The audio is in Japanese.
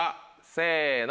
せの。